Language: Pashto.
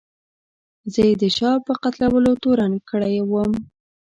زه یې د شاه په قتلولو تورن کړی وم.